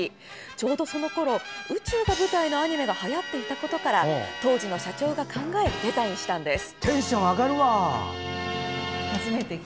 ちょうどそのころ宇宙が舞台のアニメがはやっていたことから当時の社長が考えデザインしたんです。